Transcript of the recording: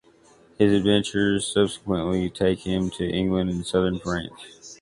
His adventures subsequently take him to England and Southern France.